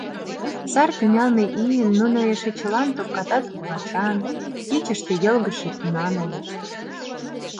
Сар тӱҥалме ийын нуно эше чылан топката туп-вачан, кечыште йылгыжше пунан ыльыч.